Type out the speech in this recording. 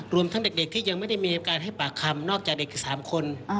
ทั้งเด็กที่ยังไม่ได้มีการให้ปากคำนอกจากเด็กอีก๓คน